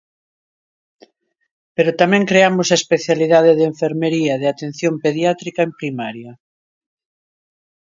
Pero tamén creamos a especialidade de enfermería de atención pediátrica en primaria.